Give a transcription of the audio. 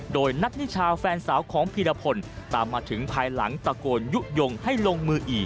โดยนัทนิชาแฟนสาวของพีรพลตามมาถึงภายหลังตะโกนยุโยงให้ลงมืออีก